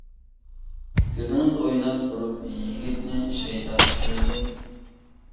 كۆزىڭىز ئويناپ تۇرۇپ، يىگىتنى شەيدا قىلىدۇ.